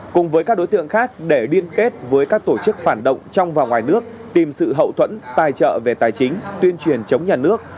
cùng với các đối tượng khác để liên kết với các tổ chức phản động trong và ngoài nước tìm sự hậu thuẫn tài trợ về tài chính tuyên truyền chống nhà nước